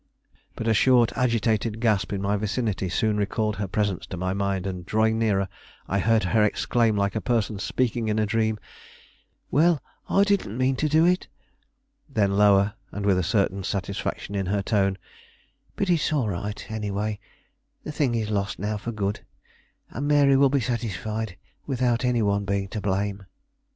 But a short, agitated gasp in my vicinity soon recalled her presence to my mind, and drawing nearer, I heard her exclaim like a person speaking in a dream, "Well, I didn't mean to do it"; then lower, and with a certain satisfaction in her tone, "But it's all right, any way; the thing is lost now for good, and Mary will be satisfied without any one being to blame."